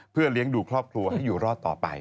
เพื่อเลี้ยงดูครอบครัวให้อยู่รอดต่อไป